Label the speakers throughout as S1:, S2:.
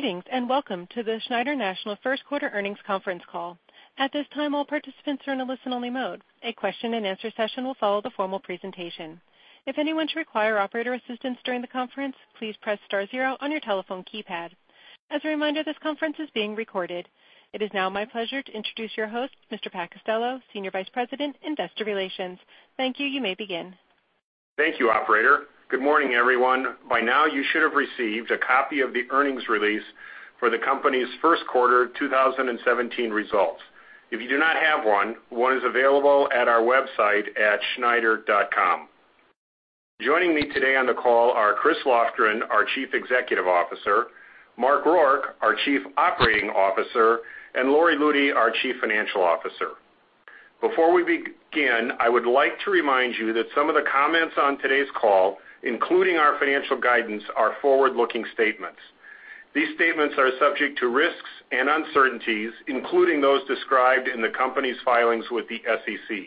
S1: Greetings and welcome to the Schneider National First Quarter Earnings Conference Call. At this time, all participants are in a listen-only mode. A question-and-answer session will follow the formal presentation. If anyone should require operator assistance during the conference, please press star zero on your telephone keypad. As a reminder, this conference is being recorded. It is now my pleasure to introduce your host, Mr. Pat Costello, Senior Vice President, Investor Relations. Thank you. You may begin.
S2: Thank you, Operator. Good morning, everyone. By now, you should have received a copy of the earnings release for the company's first quarter 2017 results. If you do not have one, one is available at our website at schneider.com. Joining me today on the call are Chris Lofgren, our Chief Executive Officer, Mark Rourke, our Chief Operating Officer, and Lori Lutey, our Chief Financial Officer. Before we begin, I would like to remind you that some of the comments on today's call, including our financial guidance, are forward-looking statements. These statements are subject to risks and uncertainties, including those described in the company's filings with the SEC.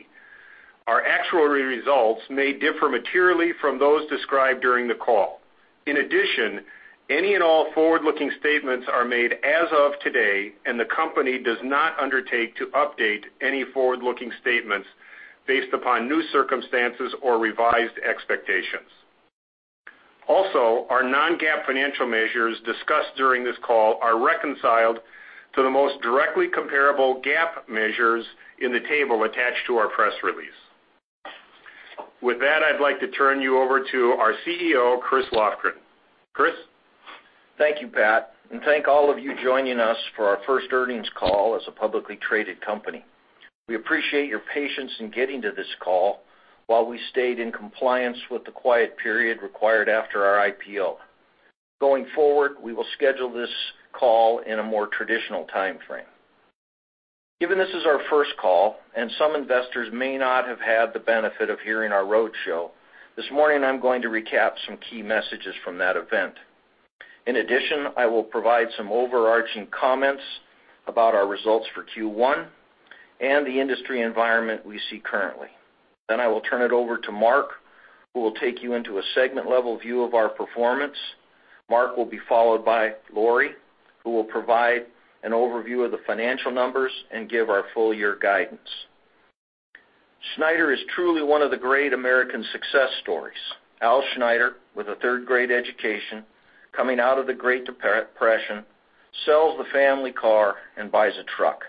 S2: Our actual results may differ materially from those described during the call. In addition, any and all forward-looking statements are made as of today, and the company does not undertake to update any forward-looking statements based upon new circumstances or revised expectations. Also, our non-GAAP financial measures discussed during this call are reconciled to the most directly comparable GAAP measures in the table attached to our press release. With that, I'd like to turn you over to our CEO, Chris Lofgren. Chris?
S3: Thank you, Pat, and thank all of you joining us for our first earnings call as a publicly traded company. We appreciate your patience in getting to this call while we stayed in compliance with the quiet period required after our IPO. Going forward, we will schedule this call in a more traditional timeframe. Given this is our first call, and some investors may not have had the benefit of hearing our roadshow, this morning I'm going to recap some key messages from that event. In addition, I will provide some overarching comments about our results for Q1 and the industry environment we see currently. Then I will turn it over to Mark, who will take you into a segment-level view of our performance. Mark will be followed by Lori, who will provide an overview of the financial numbers and give our full-year guidance. Schneider is truly one of the great American success stories. Al Schneider, with a third-grade education, coming out of the Great Depression, sells the family car and buys a truck.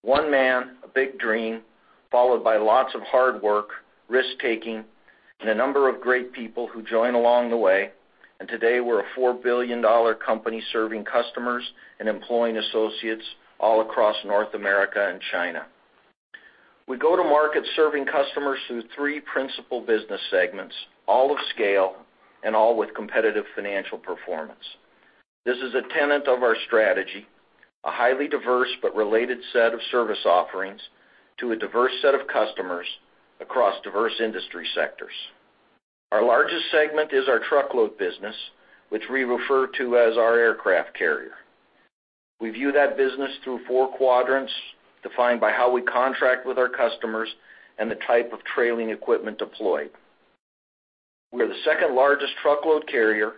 S3: One man, a big dream, followed by lots of hard work, risk-taking, and a number of great people who join along the way, and today we're a $4 billion company serving customers and employing associates all across North America and China. We go to market serving customers through three principal business segments, all of scale and all with competitive financial performance. This is a tenet of our strategy, a highly diverse but related set of service offerings to a diverse set of customers across diverse industry sectors. Our largest segment is our truckload business, which we refer to as our aircraft carrier. We view that business through four quadrants defined by how we contract with our customers and the type of trailing equipment deployed. We are the second-largest truckload carrier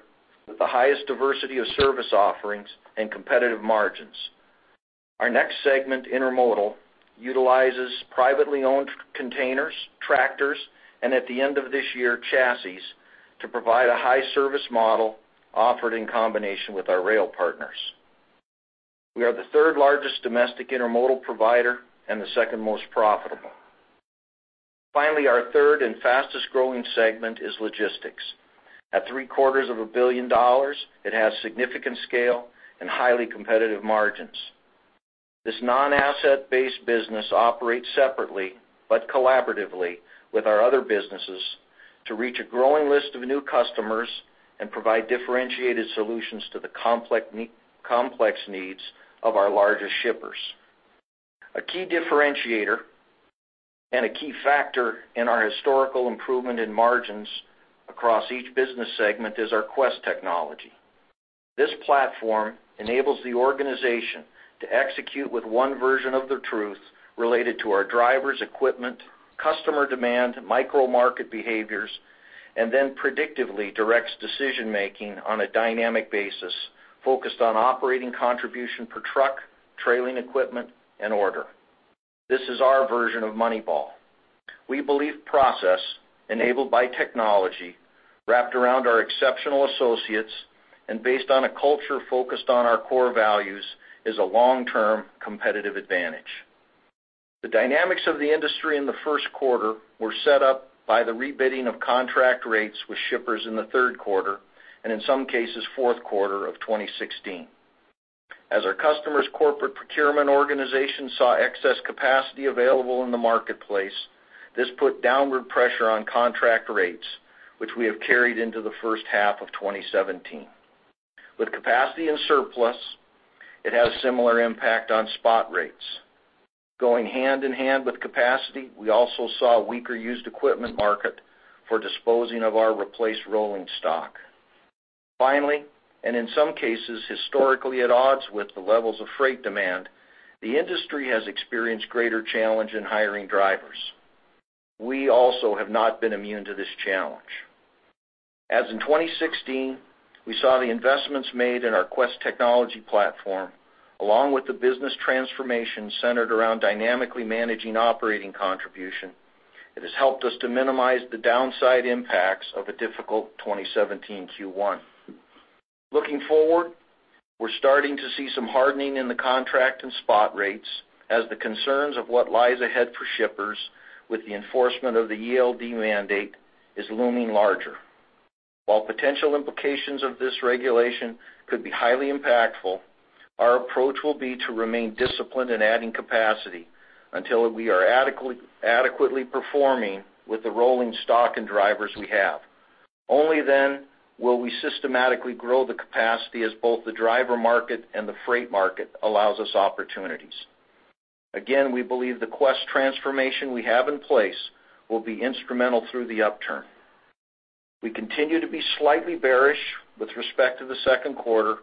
S3: with the highest diversity of service offerings and competitive margins. Our next segment, intermodal, utilizes privately owned containers, tractors, and at the end of this year, chassis to provide a high-service model offered in combination with our rail partners. We are the third-largest domestic intermodal provider and the second-most profitable. Finally, our third and fastest-growing segment is logistics. At $750 million, it has significant scale and highly competitive margins. This non-asset-based business operates separately but collaboratively with our other businesses to reach a growing list of new customers and provide differentiated solutions to the complex needs of our largest shippers. A key differentiator and a key factor in our historical improvement in margins across each business segment is our Quest technology. This platform enables the organization to execute with one version of the truth related to our drivers' equipment, customer demand, micro-market behaviors, and then predictively directs decision-making on a dynamic basis focused on operating contribution per truck, trailing equipment, and order. This is our version of Moneyball. We believe process, enabled by technology, wrapped around our exceptional associates, and based on a culture focused on our core values, is a long-term competitive advantage. The dynamics of the industry in the first quarter were set up by the rebidding of contract rates with shippers in the third quarter and, in some cases, fourth quarter of 2016. As our customer's corporate procurement organization saw excess capacity available in the marketplace, this put downward pressure on contract rates, which we have carried into the first half of 2017. With capacity and surplus, it has a similar impact on spot rates. Going hand in hand with capacity, we also saw a weaker used equipment market for disposing of our replaced rolling stock. Finally, and in some cases historically at odds with the levels of freight demand, the industry has experienced greater challenge in hiring drivers. We also have not been immune to this challenge. As in 2016, we saw the investments made in our Quest technology platform, along with the business transformation centered around dynamically managing operating contribution, that has helped us to minimize the downside impacts of a difficult 2017 Q1. Looking forward, we're starting to see some hardening in the contract and spot rates as the concerns of what lies ahead for shippers with the enforcement of the ELD mandate is looming larger. While potential implications of this regulation could be highly impactful, our approach will be to remain disciplined in adding capacity until we are adequately performing with the rolling stock and drivers we have. Only then will we systematically grow the capacity as both the driver market and the freight market allows us opportunities. Again, we believe the Quest transformation we have in place will be instrumental through the upturn. We continue to be slightly bearish with respect to the second quarter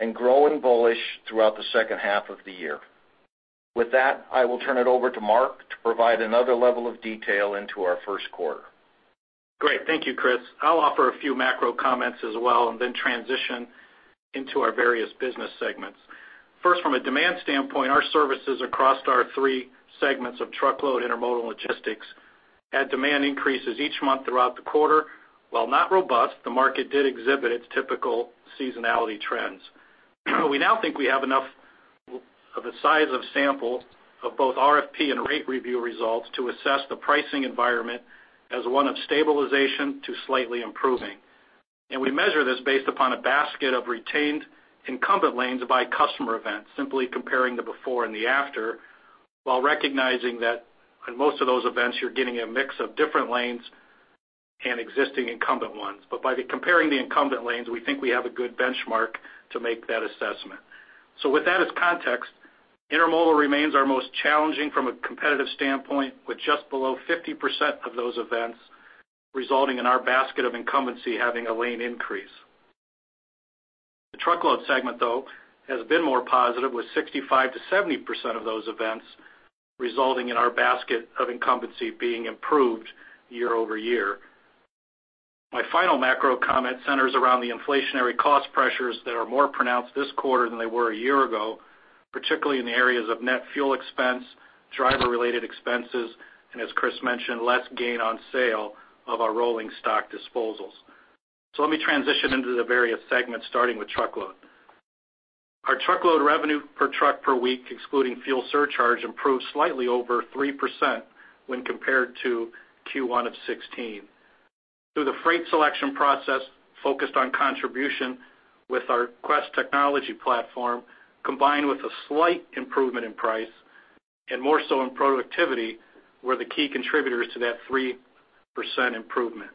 S3: and growing bullish throughout the second half of the year. With that, I will turn it over to Mark to provide another level of detail into our first quarter.
S4: Great. Thank you, Chris. I'll offer a few macro comments as well and then transition into our various business segments. First, from a demand standpoint, our services across our three segments of truckload intermodal logistics had demand increases each month throughout the quarter. While not robust, the market did exhibit its typical seasonality trends. We now think we have enough of a size of sample of both RFP and rate review results to assess the pricing environment as one of stabilization to slightly improving. And we measure this based upon a basket of retained incumbent lanes by customer events, simply comparing the before and the after, while recognizing that in most of those events, you're getting a mix of different lanes and existing incumbent ones. But by comparing the incumbent lanes, we think we have a good benchmark to make that assessment. So with that as context, intermodal remains our most challenging from a competitive standpoint, with just below 50% of those events resulting in our basket of incumbency having a lane increase. The truckload segment, though, has been more positive, with 65%-70% of those events resulting in our basket of incumbency being improved year-over-year. My final macro comment centers around the inflationary cost pressures that are more pronounced this quarter than they were a year ago, particularly in the areas of net fuel expense, driver-related expenses, and, as Chris mentioned, less gain on sale of our rolling stock disposals. So let me transition into the various segments, starting with truckload. Our truckload revenue per truck per week, excluding fuel surcharge, improved slightly over 3% when compared to Q1 of 2016. Through the freight selection process focused on contribution with our Quest technology platform, combined with a slight improvement in price and more so in productivity, were the key contributors to that 3% improvement.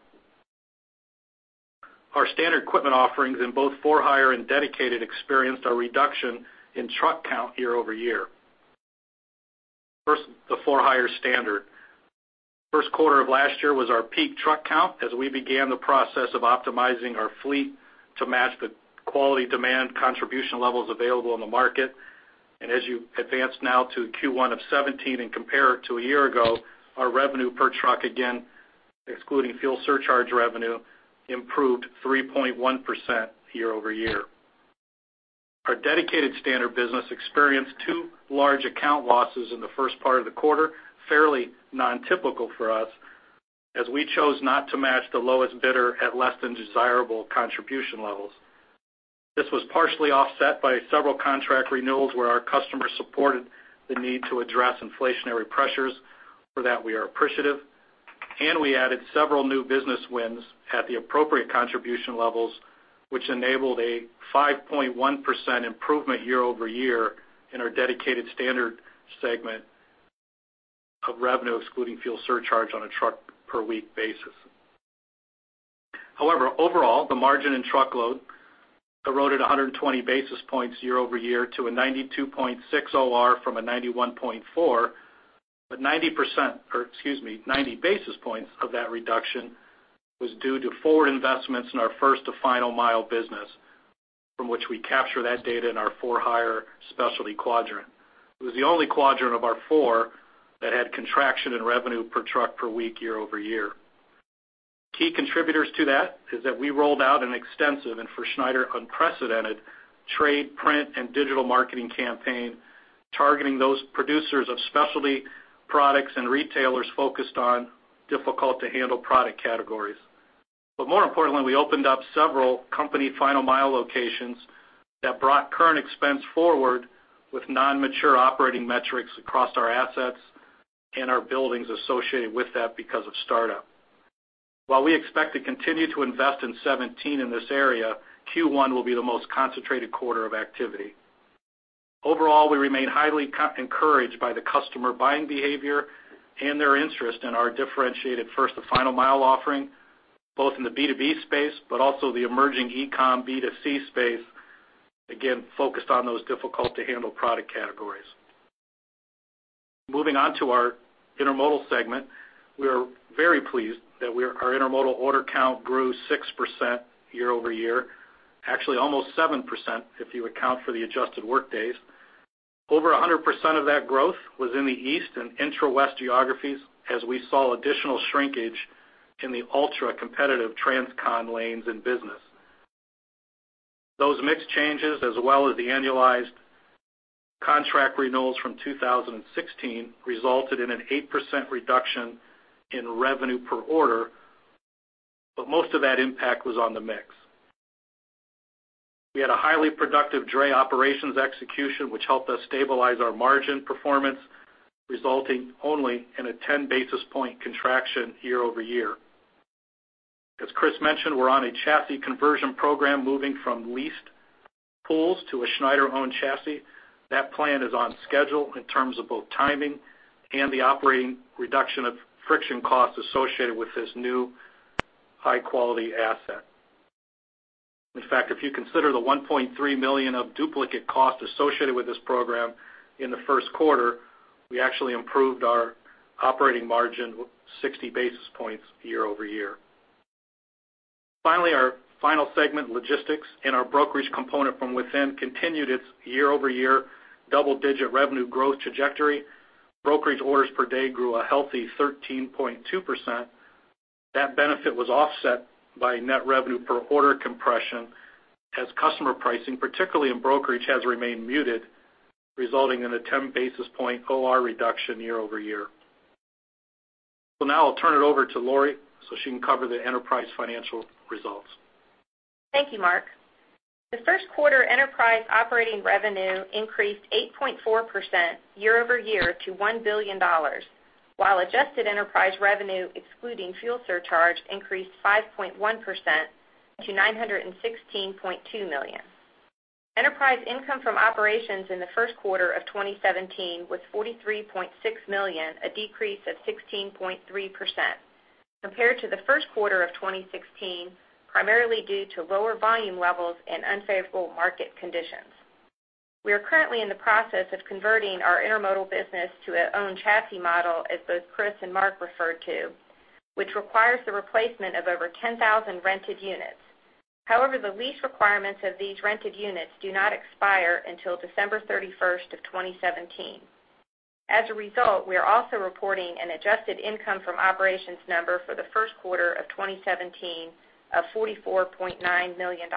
S4: Our standard equipment offerings in both for-hire and dedicated experienced a reduction in truck count year-over-year. First, the for-hire standard. First quarter of last year was our peak truck count as we began the process of optimizing our fleet to match the quality demand contribution levels available in the market. As you advance now to Q1 of 2017 and compare it to a year ago, our revenue per truck, again, excluding fuel surcharge revenue, improved 3.1% year-over-year. Our Dedicated standard business experienced two large account losses in the first part of the quarter, fairly non-typical for us, as we chose not to match the lowest bidder at less than desirable contribution levels. This was partially offset by several contract renewals where our customer supported the need to address inflationary pressures. For that, we are appreciative. And we added several new business wins at the appropriate contribution levels, which enabled a 5.1% improvement year-over-year in our Dedicated standard segment of revenue, excluding fuel surcharge, on a truck-per-week basis. However, overall, the margin in truckload eroded 120 basis points year-over-year to a 92.6 OR from a 91.4, but 90 percent or, excuse me, 90 basis points of that reduction was due to forward investments in our First to Final Mile business, from which we capture that data in our for-hire specialty quadrant. It was the only quadrant of our four that had contraction in revenue per truck-per-week year-over-year. Key contributors to that is that we rolled out an extensive and, for Schneider, unprecedented trade, print, and digital marketing campaign targeting those producers of specialty products and retailers focused on difficult-to-handle product categories. But more importantly, we opened up several company final-mile locations that brought current expense forward with non-mature operating metrics across our assets and our buildings associated with that because of startup. While we expect to continue to invest in 2017 in this area, Q1 will be the most concentrated quarter of activity. Overall, we remain highly encouraged by the customer buying behavior and their interest in our differentiated First-to-Final-Mile offering, both in the B2B space but also the emerging e-com B2C space, again, focused on those difficult-to-handle product categories. Moving on to our intermodal segment, we are very pleased that our intermodal order count grew 6% year-over-year, actually almost 7% if you account for the adjusted workdays. Over 100% of that growth was in the East and intra-West geographies, as we saw additional shrinkage in the ultra-competitive transcon lanes in business. Those mixed changes, as well as the annualized contract renewals from 2016, resulted in an 8% reduction in revenue per order, but most of that impact was on the mix. We had a highly productive dray operations execution, which helped us stabilize our margin performance, resulting only in a 10 basis points contraction year-over-year. As Chris mentioned, we're on a chassis conversion program moving from leased pools to a Schneider-owned chassis. That plan is on schedule in terms of both timing and the operating reduction of friction costs associated with this new high-quality asset. In fact, if you consider the $1.3 million of duplicate costs associated with this program in the first quarter, we actually improved our operating margin 60 basis points year-over-year. Finally, our final segment, logistics, and our brokerage component from within continued its year-over-year double-digit revenue growth trajectory. Brokerage orders per day grew a healthy 13.2%. That benefit was offset by net revenue per order compression as customer pricing, particularly in brokerage, has remained muted, resulting in a 10-basis-point OR reduction year-over-year. So now I'll turn it over to Lori so she can cover the enterprise financial results.
S5: Thank you, Mark. The first quarter, enterprise operating revenue increased 8.4% year-over-year to $1 billion, while adjusted enterprise revenue, excluding fuel surcharge, increased 5.1% to $916.2 million. Enterprise income from operations in the first quarter of 2017 was $43.6 million, a decrease of 16.3% compared to the first quarter of 2016, primarily due to lower volume levels and unfavorable market conditions. We are currently in the process of converting our intermodal business to an owned chassis model, as both Chris and Mark referred to, which requires the replacement of over 10,000 rented units. However, the lease requirements of these rented units do not expire until December 31st of 2017. As a result, we are also reporting an adjusted income from operations number for the first quarter of 2017 of $44.9 million.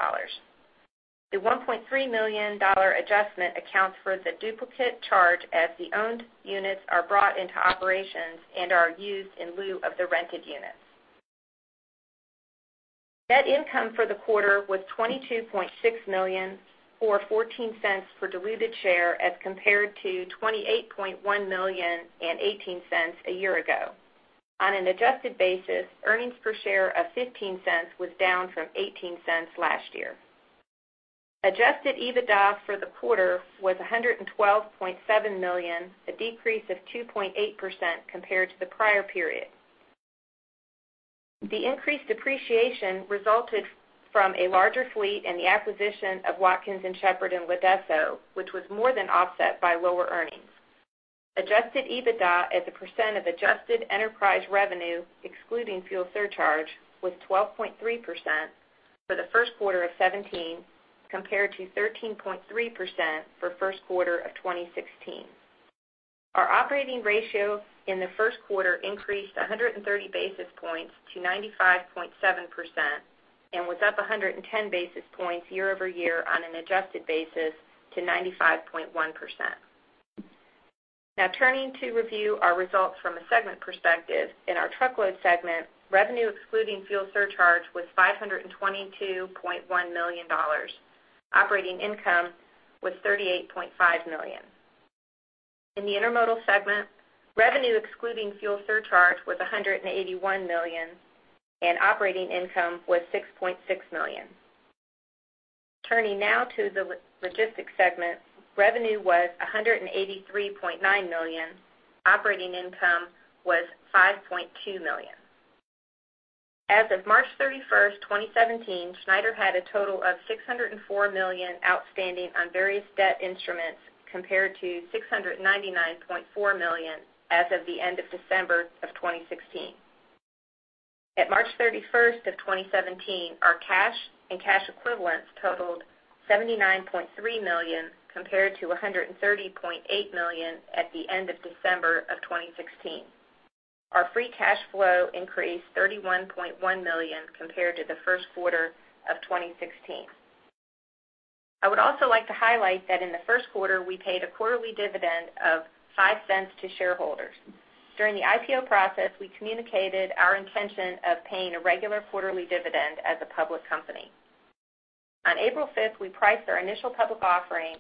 S5: The $1.3 million adjustment accounts for the duplicate charge as the owned units are brought into operations and are used in lieu of the rented units. Net income for the quarter was $22.6 million or $0.14 per diluted share as compared to $28.1 million and $0.18 a year ago. On an adjusted basis, earnings per share of $0.15 was down from $0.18 last year. Adjusted EBITDA for the quarter was $112.7 million, a decrease of 2.8% compared to the prior period. The increased depreciation resulted from a larger fleet and the acquisition of Watkins & Shepard and Lodeso, which was more than offset by lower earnings. Adjusted EBITDA as a percent of adjusted enterprise revenue, excluding fuel surcharge, was 12.3% for the first quarter of 2017 compared to 13.3% for first quarter of 2016. Our operating ratio in the first quarter increased 130 basis points to 95.7% and was up 110 basis points year-over-year on an adjusted basis to 95.1%. Now, turning to review our results from a segment perspective, in our truckload segment, revenue excluding fuel surcharge was $522.1 million. Operating income was $38.5 million. In the intermodal segment, revenue excluding fuel surcharge was $181 million, and operating income was $6.6 million. Turning now to the logistics segment, revenue was $183.9 million. Operating income was $5.2 million. As of March 31st, 2017, Schneider had a total of $604 million outstanding on various debt instruments compared to $699.4 million as of the end of December of 2016. At March 31st of 2017, our cash and cash equivalents totaled $79.3 million compared to $130.8 million at the end of December of 2016. Our free cash flow increased $31.1 million compared to the first quarter of 2016. I would also like to highlight that in the first quarter, we paid a quarterly dividend of $0.05 to shareholders. During the IPO process, we communicated our intention of paying a regular quarterly dividend as a public company. On April 5th, we priced our initial public offering,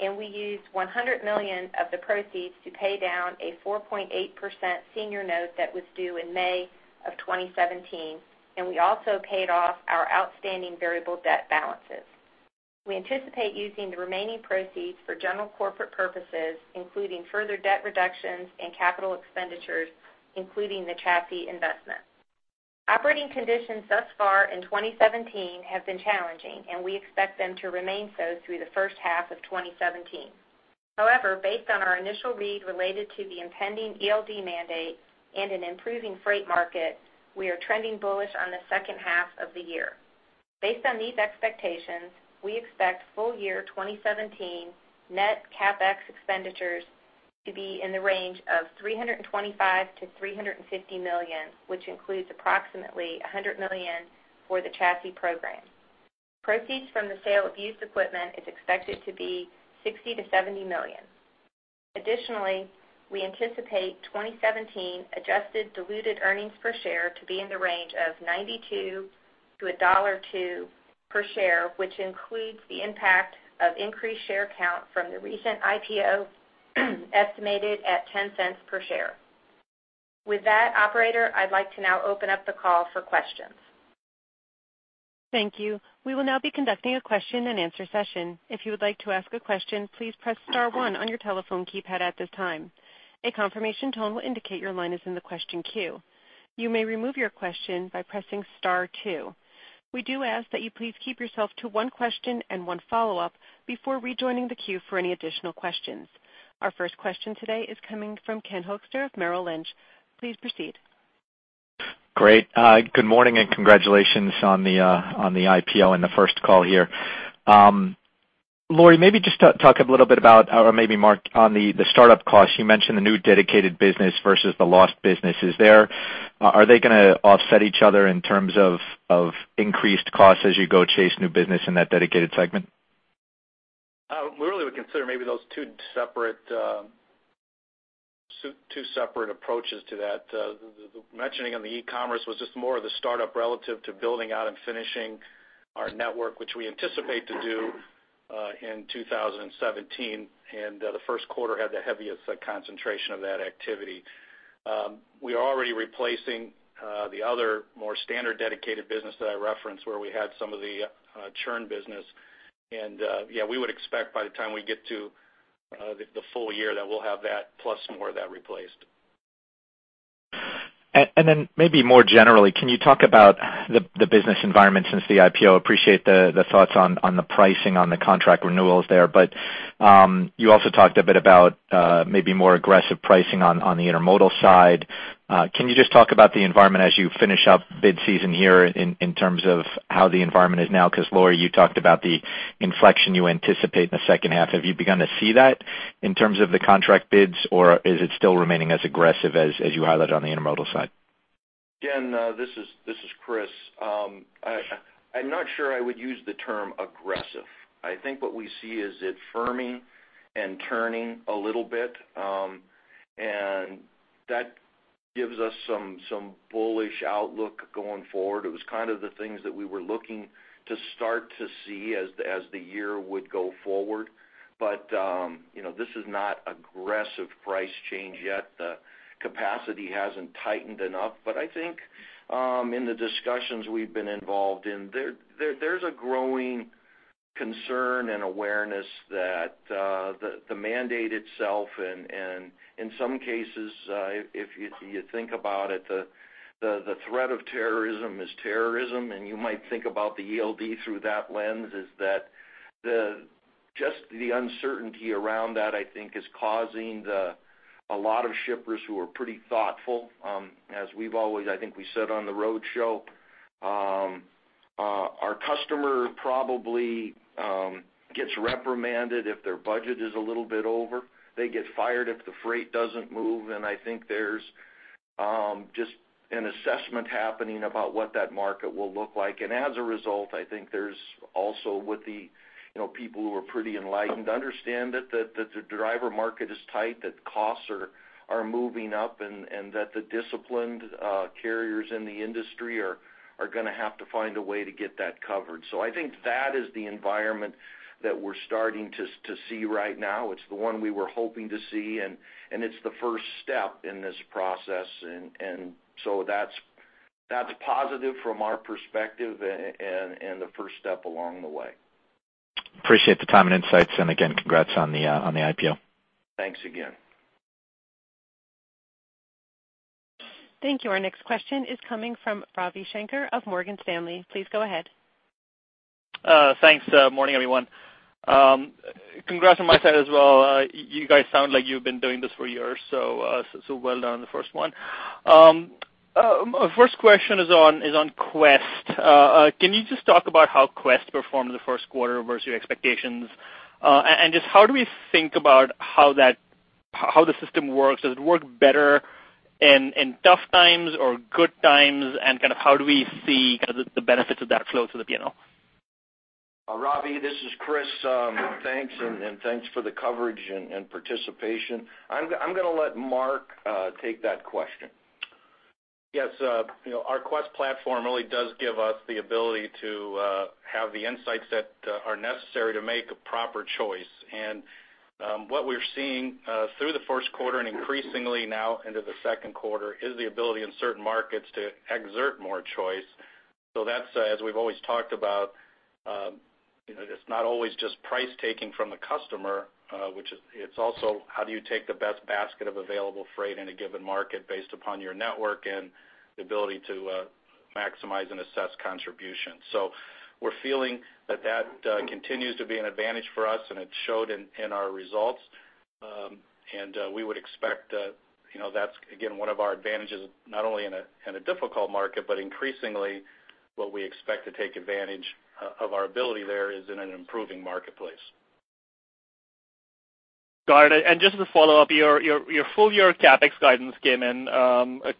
S5: and we used $100 million of the proceeds to pay down a 4.8% senior note that was due in May of 2017. We also paid off our outstanding variable debt balances. We anticipate using the remaining proceeds for general corporate purposes, including further debt reductions and capital expenditures, including the chassis investment. Operating conditions thus far in 2017 have been challenging, and we expect them to remain so through the first half of 2017. However, based on our initial read related to the impending ELD mandate and an improving freight market, we are trending bullish on the second half of the year. Based on these expectations, we expect full year 2017 net CapEx expenditures to be in the range of $325 million-$350 million, which includes approximately $100 million for the chassis program. Proceeds from the sale of used equipment is expected to be $60 million-$70 million. Additionally, we anticipate 2017 adjusted diluted earnings per share to be in the range of $0.92-$1.02 per share, which includes the impact of increased share count from the recent IPO estimated at $0.10 per share. With that, operator, I'd like to now open up the call for questions.
S1: Thank you. We will now be conducting a question-and-answer session. If you would like to ask a question, please press star one on your telephone keypad at this time. A confirmation tone will indicate your line is in the question queue. You may remove your question by pressing star two. We do ask that you please keep yourself to one question and one follow-up before rejoining the queue for any additional questions. Our first question today is coming from Ken Hoexter of Merrill Lynch. Please proceed.
S6: Great. Good morning and congratulations on the IPO and the first call here. Lori, maybe just talk a little bit about or maybe, Mark, on the startup costs. You mentioned the new dedicated business versus the lost business. Are they going to offset each other in terms of increased costs as you go chase new business in that dedicated segment?
S4: We really would consider maybe those two separate approaches to that. Mentioning on the e-commerce was just more of the startup relative to building out and finishing our network, which we anticipate to do in 2017. The first quarter had the heaviest concentration of that activity. We are already replacing the other more standard dedicated business that I referenced where we had some of the churn business. Yeah, we would expect by the time we get to the full year that we'll have that plus more of that replaced.
S6: Then maybe more generally, can you talk about the business environment since the IPO? Appreciate the thoughts on the pricing, on the contract renewals there. You also talked a bit about maybe more aggressive pricing on the intermodal side. Can you just talk about the environment as you finish up bid season here in terms of how the environment is now? Because, Lori, you talked about the inflection you anticipate in the second half. Have you begun to see that in terms of the contract bids, or is it still remaining as aggressive as you highlighted on the intermodal side?
S3: Again, this is Chris. I'm not sure I would use the term aggressive. I think what we see is it firming and turning a little bit. And that gives us some bullish outlook going forward. It was kind of the things that we were looking to start to see as the year would go forward. But this is not aggressive price change yet. The capacity hasn't tightened enough. But I think in the discussions we've been involved in, there's a growing concern and awareness that the mandate itself and in some cases, if you think about it, the threat of terrorism is terrorism. And you might think about the ELD through that lens is that just the uncertainty around that, I think, is causing a lot of shippers who are pretty thoughtful. As we've always, I think we said on the road show, our customer probably gets reprimanded if their budget is a little bit over. They get fired if the freight doesn't move. And I think there's just an assessment happening about what that market will look like. And as a result, I think there's also with the people who are pretty enlightened understand that the driver market is tight, that costs are moving up, and that the disciplined carriers in the industry are going to have to find a way to get that covered. So I think that is the environment that we're starting to see right now. It's the one we were hoping to see, and it's the first step in this process. And so that's positive from our perspective and the first step along the way.
S6: Appreciate the time and insights. And again, congrats on the IPO.
S3: Thanks again.
S1: Thank you. Our next question is coming from Ravi Shankar of Morgan Stanley. Please go ahead.
S7: Thanks. Morning, everyone. Congrats on my side as well. You guys sound like you've been doing this for years, so well done on the first one. First question is on Quest. Can you just talk about how Quest performed in the first quarter versus your expectations? And just how do we think about how the system works? Does it work better in tough times or good times? And kind of how do we see the benefits of that flow to the P&L?
S3: Ravi, this is Chris. Thanks. Thanks for the coverage and participation. I'm going to let Mark take that question.
S4: Yes. Our Quest platform really does give us the ability to have the insights that are necessary to make a proper choice. And what we're seeing through the first quarter and increasingly now into the second quarter is the ability in certain markets to exert more choice. So that's, as we've always talked about, it's not always just price taking from the customer, which it's also how do you take the best basket of available freight in a given market based upon your network and the ability to maximize and assess contributions. So we're feeling that that continues to be an advantage for us, and it showed in our results. And we would expect that that's, again, one of our advantages not only in a difficult market, but increasingly what we expect to take advantage of our ability there is in an improving marketplace.
S7: Got it. And just to follow up, your full year CapEx guidance came in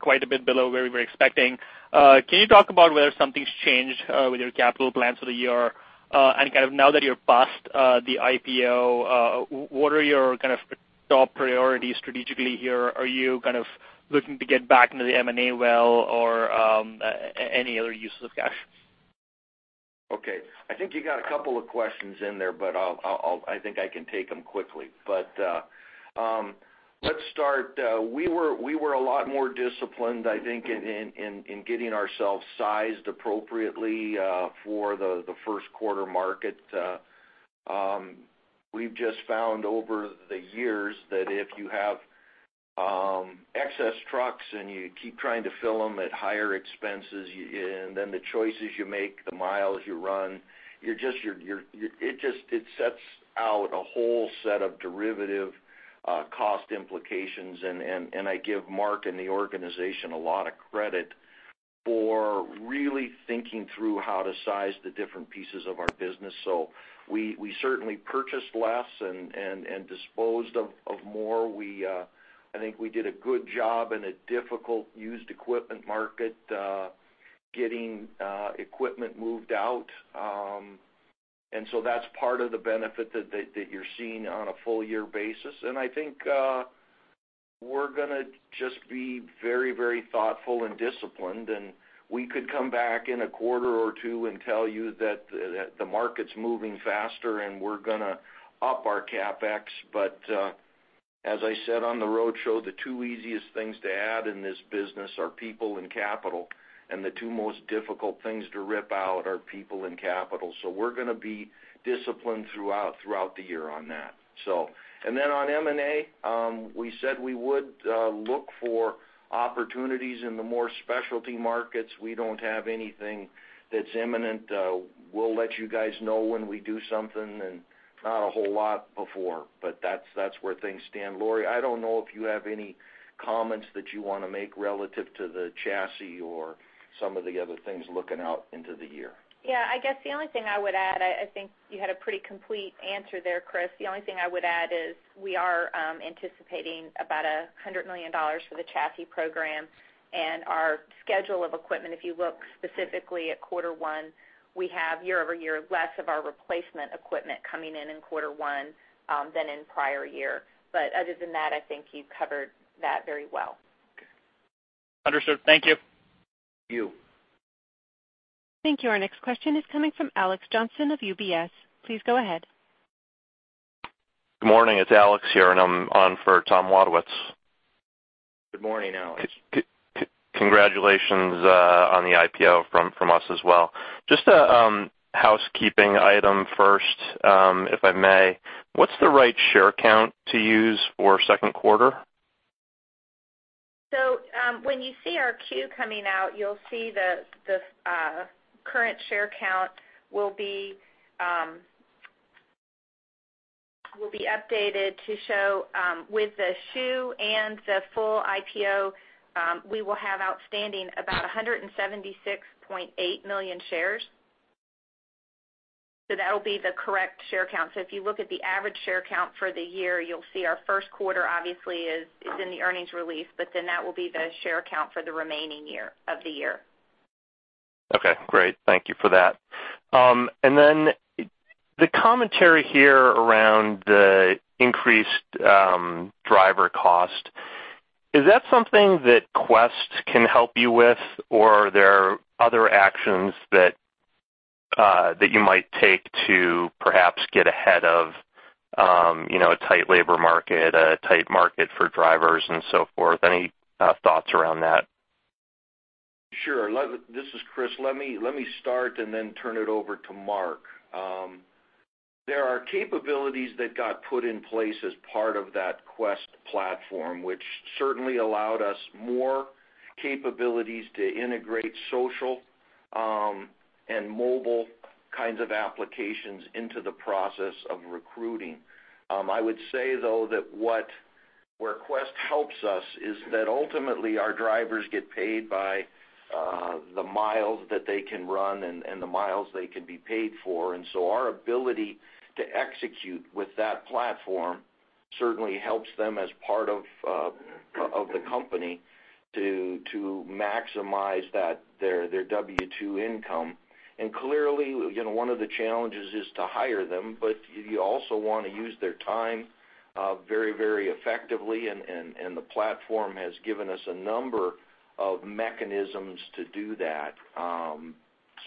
S7: quite a bit below where we were expecting. Can you talk about whether something's changed with your capital plans for the year? And kind of now that you're past the IPO, what are your kind of top priorities strategically here? Are you kind of looking to get back into the M&A well or any other uses of cash?
S3: Okay. I think you got a couple of questions in there, but I think I can take them quickly. But let's start. We were a lot more disciplined, I think, in getting ourselves sized appropriately for the first quarter market. We've just found over the years that if you have excess trucks and you keep trying to fill them at higher expenses, and then the choices you make, the miles you run, it sets out a whole set of derivative cost implications. And I give Mark and the organization a lot of credit for really thinking through how to size the different pieces of our business. So we certainly purchased less and disposed of more. I think we did a good job in a difficult used equipment market getting equipment moved out. And so that's part of the benefit that you're seeing on a full year basis. I think we're going to just be very, very thoughtful and disciplined. We could come back in a quarter or two and tell you that the market's moving faster and we're going to up our CapEx. But as I said on the road show, the two easiest things to add in this business are people and capital. The two most difficult things to rip out are people and capital. So we're going to be disciplined throughout the year on that. Then on M&A, we said we would look for opportunities in the more specialty markets. We don't have anything that's imminent. We'll let you guys know when we do something and not a whole lot before. But that's where things stand. Lori, I don't know if you have any comments that you want to make relative to the chassis or some of the other things looking out into the year.
S5: Yeah. I guess the only thing I would add, I think you had a pretty complete answer there, Chris. The only thing I would add is we are anticipating about $100 million for the chassis program. And our schedule of equipment, if you look specifically at quarter one, we have year-over-year less of our replacement equipment coming in in quarter one than in prior year. But other than that, I think you've covered that very well.
S8: Okay. Understood. Thank you.
S3: You.
S1: Thank you. Our next question is coming from Alex Johnson of UBS. Please go ahead.
S9: Good morning. It's Alex here, and I'm on for Tom Wadowitz.
S3: Good morning, Alex.
S9: Congratulations on the IPO from us as well. Just a housekeeping item first, if I may. What's the right share count to use for second quarter?
S5: So when you see our Q coming out, you'll see the current share count will be updated to show with the SHU and the full IPO, we will have outstanding about 176.8 million shares. So that'll be the correct share count. So if you look at the average share count for the year, you'll see our first quarter, obviously, is in the earnings release, but then that will be the share count for the remaining year of the year.
S9: Okay. Great. Thank you for that. And then the commentary here around the increased driver cost, is that something that Quest can help you with, or are there other actions that you might take to perhaps get ahead of a tight labor market, a tight market for drivers, and so forth? Any thoughts around that?
S3: Sure. This is Chris. Let me start and then turn it over to Mark. There are capabilities that got put in place as part of that Quest platform, which certainly allowed us more capabilities to integrate social and mobile kinds of applications into the process of recruiting. I would say, though, that where Quest helps us is that ultimately, our drivers get paid by the miles that they can run and the miles they can be paid for. And so our ability to execute with that platform certainly helps them as part of the company to maximize their W-2 income. And clearly, one of the challenges is to hire them, but you also want to use their time very, very effectively. And the platform has given us a number of mechanisms to do that.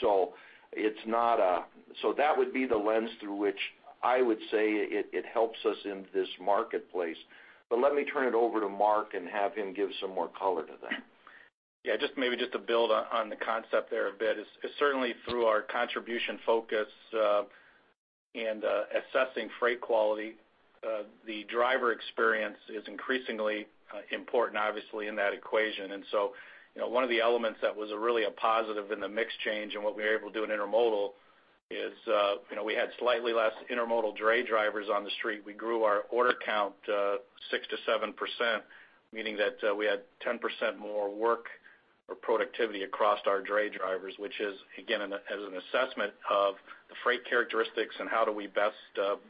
S3: So it's not so that would be the lens through which I would say it helps us in this marketplace. But let me turn it over to Mark and have him give some more color to that.
S4: Yeah. Maybe just to build on the concept there a bit, it's certainly through our contribution focus and assessing freight quality, the driver experience is increasingly important, obviously, in that equation. And so one of the elements that was really a positive in the mix change and what we were able to do in intermodal is we had slightly less intermodal dray drivers on the street. We grew our order count 6%-7%, meaning that we had 10% more work or productivity across our dray drivers, which is, again, as an assessment of the freight characteristics and how do we best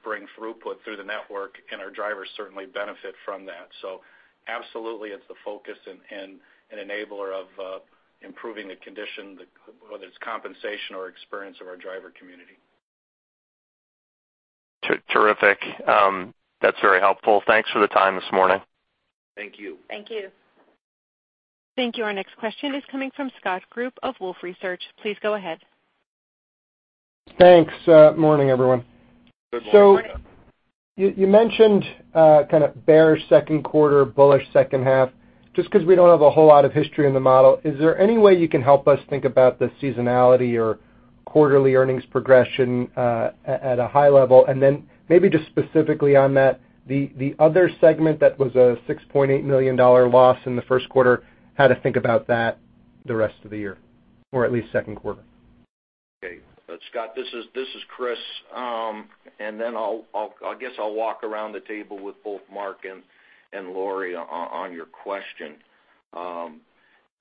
S4: bring throughput through the network. And our drivers certainly benefit from that. So absolutely, it's the focus and enabler of improving the condition, whether it's compensation or experience of our driver community.
S9: Terrific. That's very helpful. Thanks for the time this morning.
S3: Thank you.
S5: Thank you.
S1: Thank you. Our next question is coming from Scott Group of Wolfe Research. Please go ahead.
S10: Thanks. Morning, everyone.
S3: Good morning.
S10: So you mentioned kind of bearish second quarter, bullish second half. Just because we don't have a whole lot of history in the model, is there any way you can help us think about the seasonality or quarterly earnings progression at a high level? And then maybe just specifically on that, the other segment that was a $6.8 million loss in the first quarter, how to think about that the rest of the year or at least second quarter?
S3: Okay. Scott, this is Chris. And then I guess I'll walk around the table with both Mark and Lori on your question.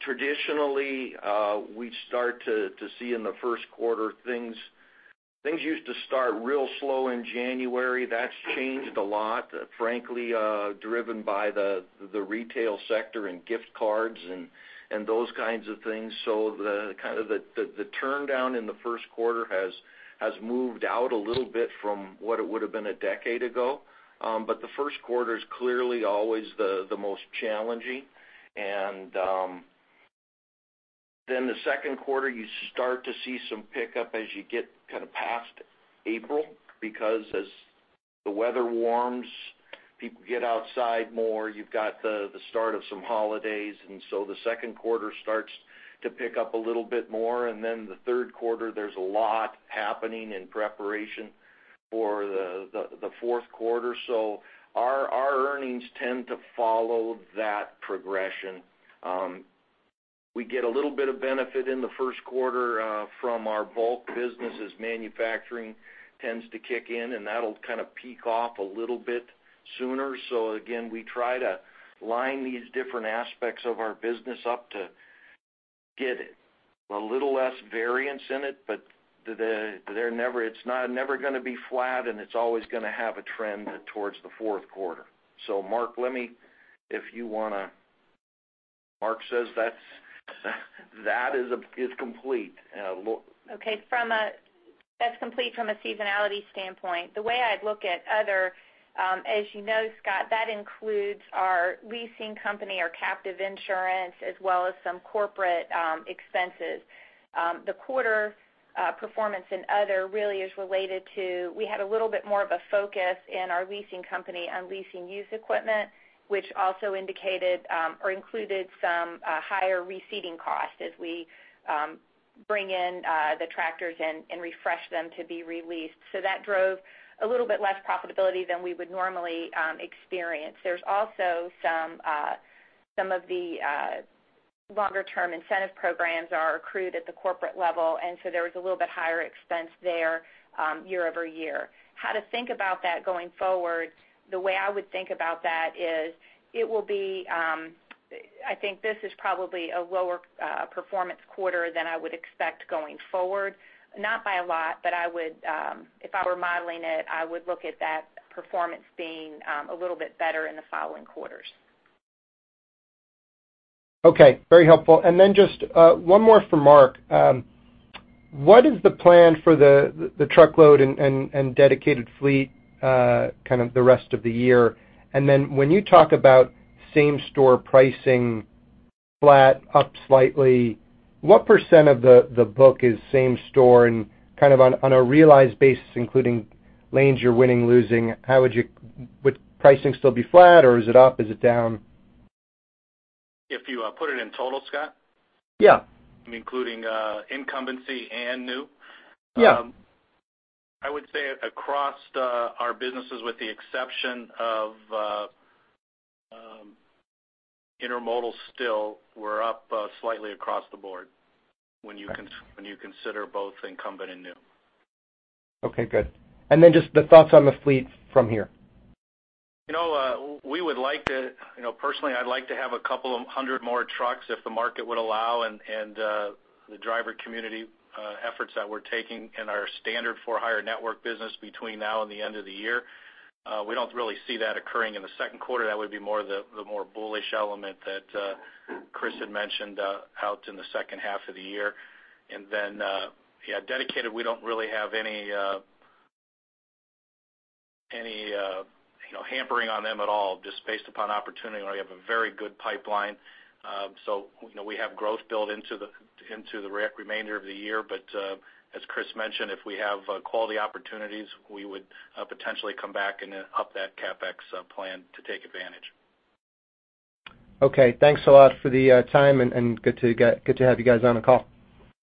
S3: Traditionally, we start to see in the first quarter things used to start real slow in January. That's changed a lot, frankly, driven by the retail sector and gift cards and those kinds of things. So kind of the turndown in the first quarter has moved out a little bit from what it would have been a decade ago. But the first quarter is clearly always the most challenging. And then the second quarter, you start to see some pickup as you get kind of past April because as the weather warms, people get outside more. You've got the start of some holidays. And so the second quarter starts to pick up a little bit more. And then the third quarter, there's a lot happening in preparation for the fourth quarter. So our earnings tend to follow that progression. We get a little bit of benefit in the first quarter from our bulk business as manufacturing tends to kick in, and that'll kind of peak off a little bit sooner. So again, we try to line these different aspects of our business up to get a little less variance in it. But it's never going to be flat, and it's always going to have a trend towards the fourth quarter. So Mark, if you want to. Mark says, "That is complete.
S5: Okay. That's complete from a seasonality standpoint. The way I'd look at other, as you know, Scott, that includes our leasing company, our captive insurance, as well as some corporate expenses. The quarter performance in other really is related to we had a little bit more of a focus in our leasing company on leasing used equipment, which also indicated or included some higher re-seating cost as we bring in the tractors and refresh them to be re-leased. So that drove a little bit less profitability than we would normally experience. There's also some of the longer-term incentive programs are accrued at the corporate level. And so there was a little bit higher expense there year-over-year. How to think about that going forward, the way I would think about that is it will be, I think this is probably a lower performance quarter than I would expect going forward. Not by a lot, but if I were modeling it, I would look at that performance being a little bit better in the following quarters.
S10: Okay. Very helpful. And then just one more for Mark. What is the plan for the truckload and dedicated fleet kind of the rest of the year? And then when you talk about same-store pricing, flat, up slightly, what % of the book is same-store? And kind of on a realized basis, including lanes you're winning, losing, would pricing still be flat, or is it up? Is it down?
S4: If you put it in total, Scott?
S10: Yeah.
S4: Including incumbency and new?
S10: Yeah.
S4: I would say across our businesses, with the exception of Intermodal still, we're up slightly across the board when you consider both incumbent and new.
S10: Okay. Good. And then just the thoughts on the fleet from here?
S4: We would like to personally. I'd like to have a couple of hundred more trucks if the market would allow. The driver community efforts that we're taking in our standard For-Hire network business between now and the end of the year, we don't really see that occurring in the second quarter. That would be more the more bullish element that Chris had mentioned out in the second half of the year. Then yeah, Dedicated, we don't really have any hampering on them at all, just based upon opportunity. We have a very good pipeline. So we have growth built into the remainder of the year. But as Chris mentioned, if we have quality opportunities, we would potentially come back and up that CapEx plan to take advantage.
S10: Okay. Thanks a lot for the time, and good to have you guys on the call.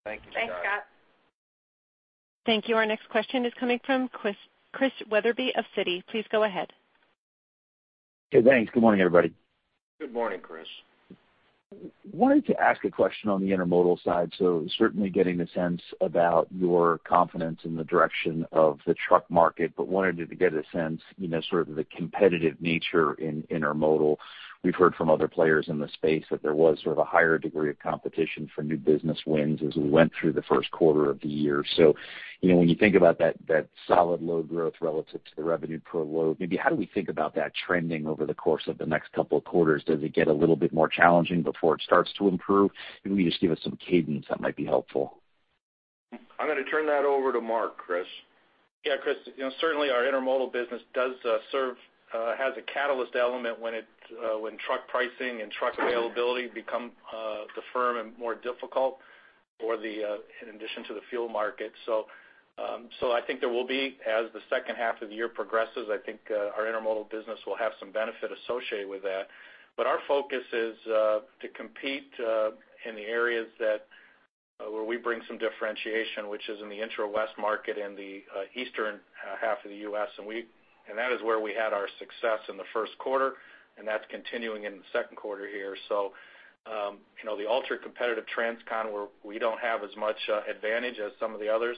S4: Thank you, Scott.
S5: Thanks, Scott.
S1: Thank you. Our next question is coming from Chris Wetherbee of Citi. Please go ahead.
S11: Hey, thanks. Good morning, everybody.
S3: Good morning, Chris.
S11: Wanted to ask a question on the intermodal side. So certainly getting a sense about your confidence in the direction of the truck market, but wanted to get a sense sort of the competitive nature in intermodal. We've heard from other players in the space that there was sort of a higher degree of competition for new business wins as we went through the first quarter of the year. So when you think about that solid load growth relative to the revenue per load, maybe how do we think about that trending over the course of the next couple of quarters? Does it get a little bit more challenging before it starts to improve? If you could just give us some cadence, that might be helpful.
S3: I'm going to turn that over to Mark, Chris.
S4: Yeah, Chris. Certainly, our intermodal business has a catalyst element when truck pricing and truck availability become dearer and more difficult in addition to the fuel market. So I think there will be, as the second half of the year progresses, I think our intermodal business will have some benefit associated with that. But our focus is to compete in the areas where we bring some differentiation, which is in the intra-west market and the eastern half of the U.S. And that is where we had our success in the first quarter, and that's continuing in the second quarter here. So the ultra-competitive transCon, where we don't have as much advantage as some of the others,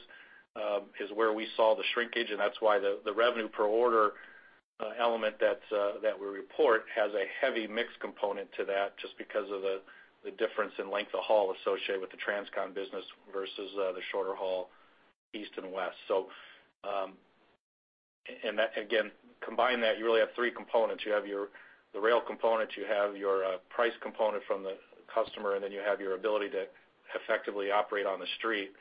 S4: is where we saw the shrinkage. That's why the revenue per order element that we report has a heavy mixed component to that just because of the difference in length of haul associated with the transCon business versus the shorter haul East and West. Again, combine that, you really have three components. You have the rail component. You have your price component from the customer. Then you have your ability to effectively operate on the street.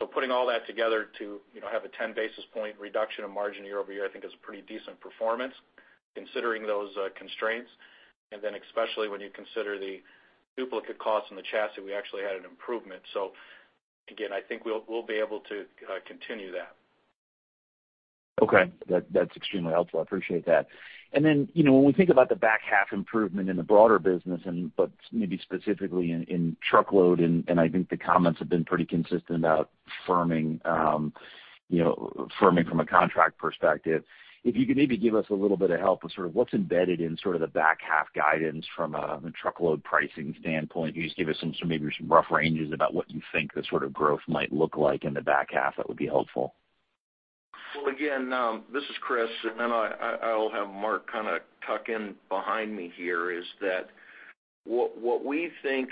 S4: So putting all that together to have a 10 basis points reduction in margin year-over-year, I think, is a pretty decent performance considering those constraints. Then especially when you consider the duplicate costs in the chassis, we actually had an improvement. Again, I think we'll be able to continue that.
S11: Okay. That's extremely helpful. I appreciate that. And then when we think about the back half improvement in the broader business, but maybe specifically in truckload - and I think the comments have been pretty consistent about firming from a contract perspective - if you could maybe give us a little bit of help with sort of what's embedded in sort of the back half guidance from a truckload pricing standpoint. Can you just give us maybe some rough ranges about what you think the sort of growth might look like in the back half? That would be helpful.
S3: Well, again, this is Chris. And then I'll have Mark kind of tuck in behind me here. Is that what we think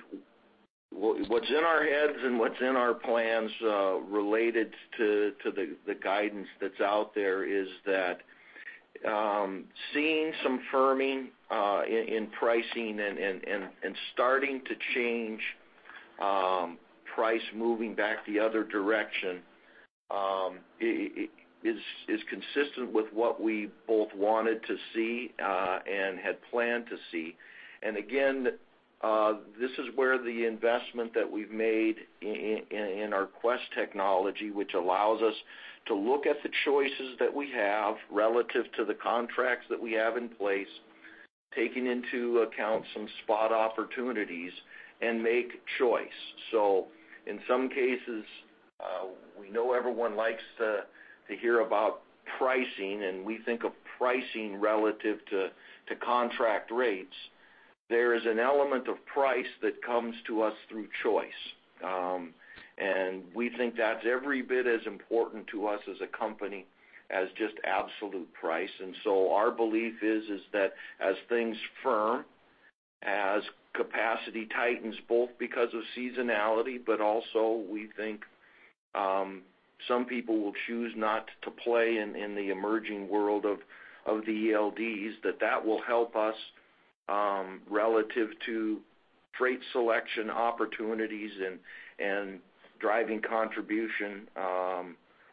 S3: what's in our heads and what's in our plans related to the guidance that's out there is that seeing some firming in pricing and starting to change price moving back the other direction is consistent with what we both wanted to see and had planned to see. And again, this is where the investment that we've made in our Quest technology, which allows us to look at the choices that we have relative to the contracts that we have in place, taking into account some spot opportunities, and make choice. So in some cases, we know everyone likes to hear about pricing. And we think of pricing relative to contract rates. There is an element of price that comes to us through choice. And we think that's every bit as important to us as a company as just absolute price. And so our belief is that as things firm, as capacity tightens both because of seasonality, but also we think some people will choose not to play in the emerging world of the ELDs, that that will help us relative to freight selection opportunities and driving contribution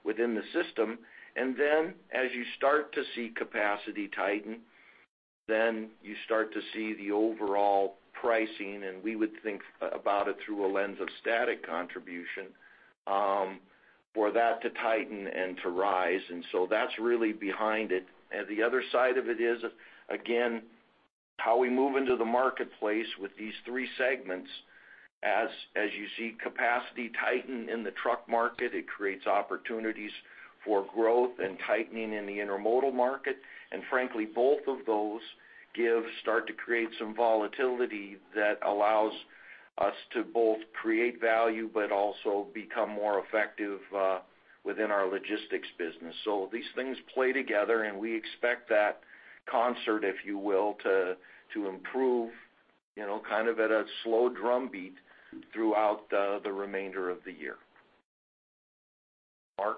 S3: within the system. And then as you start to see capacity tighten, then you start to see the overall pricing. And we would think about it through a lens of static contribution for that to tighten and to rise. And so that's really behind it. And the other side of it is, again, how we move into the marketplace with these three segments. As you see capacity tighten in the truck market, it creates opportunities for growth and tightening in the intermodal market. And frankly, both of those start to create some volatility that allows us to both create value but also become more effective within our logistics business. So these things play together, and we expect that concert, if you will, to improve kind of at a slow drumbeat throughout the remainder of the year. Mark?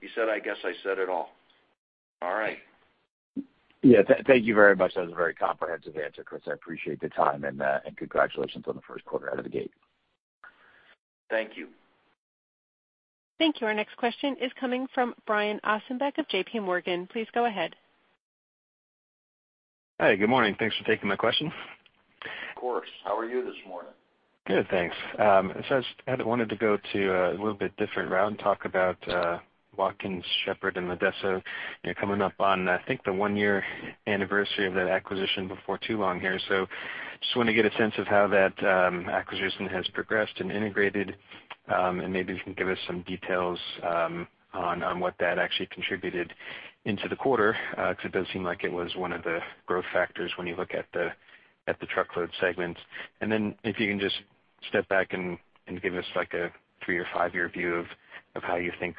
S3: You said, "I guess I said it all." All right.
S11: Yeah. Thank you very much. That was a very comprehensive answer, Chris. I appreciate the time, and congratulations on the first quarter out of the gate.
S3: Thank you.
S1: Thank you. Our next question is coming from Brian Ossenbeck of J.P. Morgan. Please go ahead.
S12: Hey. Good morning. Thanks for taking my question.
S3: Of course. How are you this morning?
S12: Good. Thanks. So I just wanted to go to a little bit different route and talk about Watkins & Shepard and Lodeso coming up on, I think, the 1-year anniversary of that acquisition before too long here. So just wanted to get a sense of how that acquisition has progressed and integrated. And maybe you can give us some details on what that actually contributed into the quarter because it does seem like it was one of the growth factors when you look at the truckload segments. And then if you can just step back and give us a 3- or 5-year view of how you think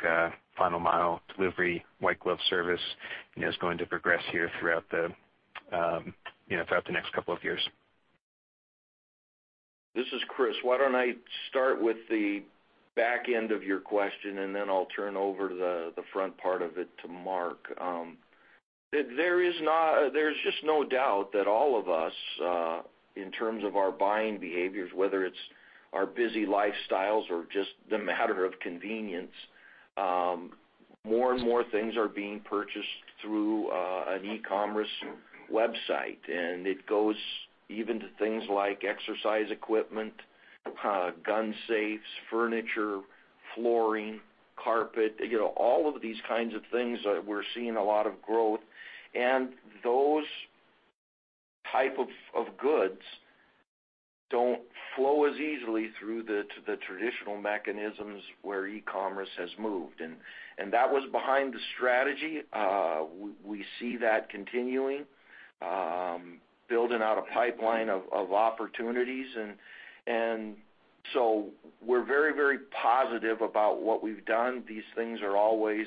S12: final-mile delivery, white-glove service is going to progress here throughout the next couple of years.
S3: This is Chris. Why don't I start with the back end of your question, and then I'll turn over the front part of it to Mark. There's just no doubt that all of us, in terms of our buying behaviors, whether it's our busy lifestyles or just the matter of convenience, more and more things are being purchased through an e-commerce website. It goes even to things like exercise equipment, gun safes, furniture, flooring, carpet, all of these kinds of things. We're seeing a lot of growth. Those types of goods don't flow as easily through the traditional mechanisms where e-commerce has moved. That was behind the strategy. We see that continuing, building out a pipeline of opportunities. So we're very, very positive about what we've done. These things are always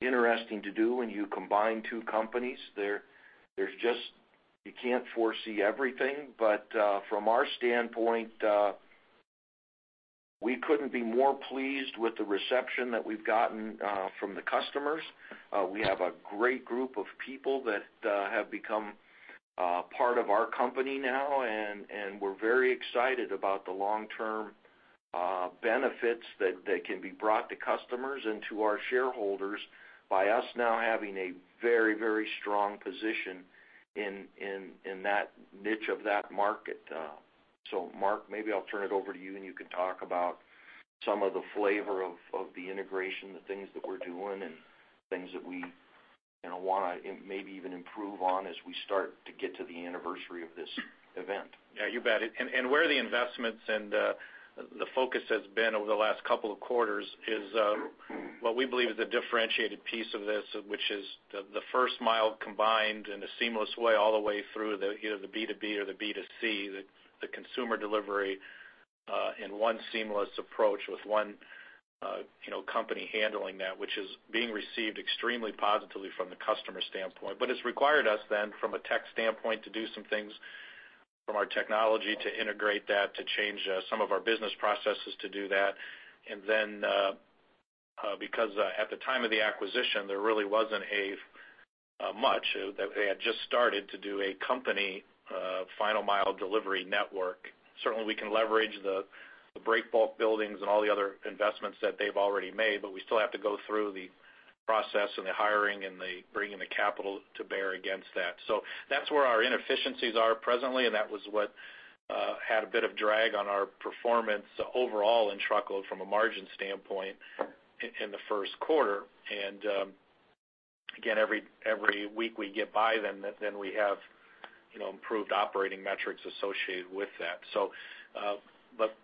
S3: interesting to do when you combine two companies. You can't foresee everything. But from our standpoint, we couldn't be more pleased with the reception that we've gotten from the customers. We have a great group of people that have become part of our company now. And we're very excited about the long-term benefits that can be brought to customers and to our shareholders by us now having a very, very strong position in that niche of that market. So Mark, maybe I'll turn it over to you, and you can talk about some of the flavor of the integration, the things that we're doing, and things that we want to maybe even improve on as we start to get to the anniversary of this event.
S4: Yeah. You bet. Where the investments and the focus has been over the last couple of quarters is what we believe is a differentiated piece of this, which is the first mile combined in a seamless way all the way through either the B2B or the B2C, the consumer delivery in one seamless approach with one company handling that, which is being received extremely positively from the customer standpoint. But it's required us then, from a tech standpoint, to do some things from our technology to integrate that, to change some of our business processes to do that. Then because at the time of the acquisition, there really wasn't much that they had just started to do a company final-mile delivery network. Certainly, we can leverage the breakbulk buildings and all the other investments that they've already made, but we still have to go through the process and the hiring and bringing the capital to bear against that. So that's where our inefficiencies are presently. That was what had a bit of drag on our performance overall in truckload from a margin standpoint in the first quarter. And again, every week we get by then, then we have improved operating metrics associated with that. But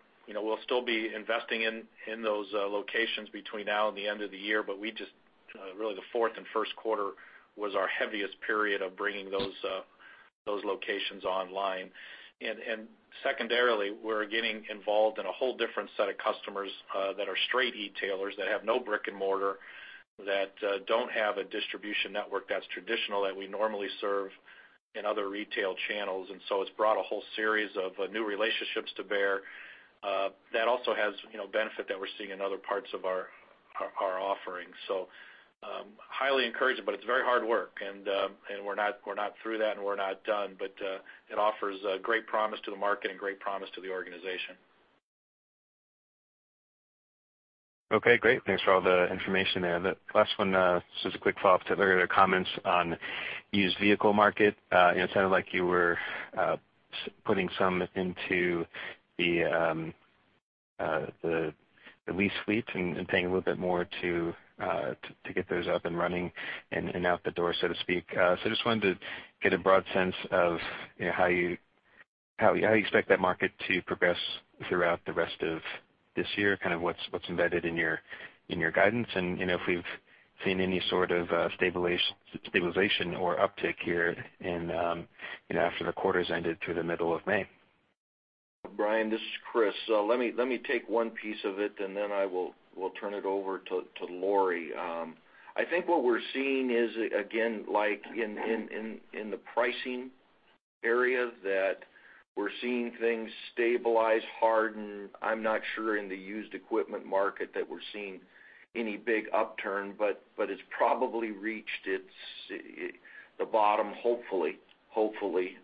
S4: we'll still be investing in those locations between now and the end of the year. But really, the fourth and first quarter was our heaviest period of bringing those locations online. And secondarily, we're getting involved in a whole different set of customers that are straight e-tailers, that have no brick and mortar, that don't have a distribution network that's traditional that we normally serve in other retail channels. And so it's brought a whole series of new relationships to bear that also has benefit that we're seeing in other parts of our offering. So highly encouraging, but it's very hard work. And we're not through that, and we're not done. But it offers a great promise to the market and great promise to the organization.
S12: Okay. Great. Thanks for all the information there. The last one is just a quick follow-up to earlier comments on used vehicle market. It sounded like you were putting some into the lease fleet and paying a little bit more to get those up and running and out the door, so to speak. So I just wanted to get a broad sense of how you expect that market to progress throughout the rest of this year, kind of what's embedded in your guidance, and if we've seen any sort of stabilization or uptick here after the quarter's ended through the middle of May?
S3: Brian, this is Chris. Let me take one piece of it, and then I will turn it over to Lori. I think what we're seeing is, again, in the pricing area, that we're seeing things stabilize, harden. I'm not sure in the used equipment market that we're seeing any big upturn, but it's probably reached the bottom, hopefully.